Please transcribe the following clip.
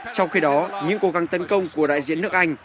trong khi đó những cố gắng tấn công của đại diện nước anh